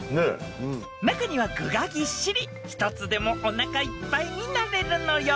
稈罎砲具がぎっしり磽韻弔任おなかいっぱいになれるのよ